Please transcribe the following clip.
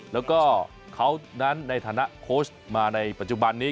แล้วก็เขานั้นในฐานะโค้ชมาในปัจจุบันนี้